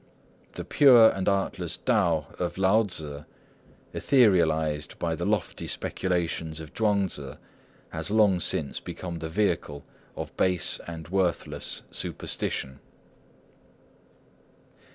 The pure and artless Tao of Lao Tzŭ, etherealised by the lofty speculations of Chuang Tzŭ, has long since become the vehicle of base and worthless superstition.